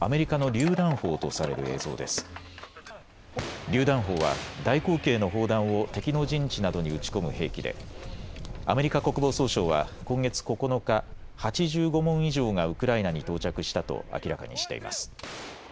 りゅう弾砲は大口径の砲弾を敵の陣地などに撃ち込む兵器でアメリカ国防総省は今月９日、８５門以上がウクライナに到着したと明らかにしています。